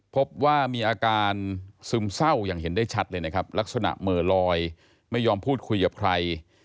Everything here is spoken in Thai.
พบว่ามีอาการซึมเศร้าอย่างเห็นได้ชัดเลยนะครับลักษณะเหม่อลอยไม่ยอมพูดคุยกับใคร